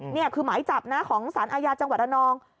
นี่คือหมายจับนะของสารอาญาจังหวัดระนอง